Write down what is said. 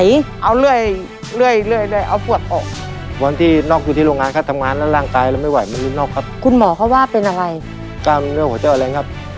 การเรื่องของเจ้าอะไรครับ